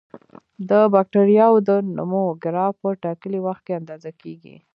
د بکټریاوو د نمو ګراف په ټاکلي وخت کې اندازه کیږي.